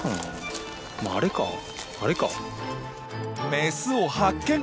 メスを発見！